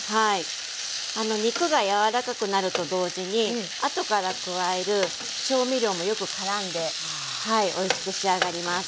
肉が柔らかくなると同時にあとから加える調味料もよくからんでおいしく仕上がります。